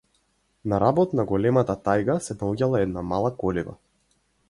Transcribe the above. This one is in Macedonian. На работ на големата тајга се наоѓала една мала колиба.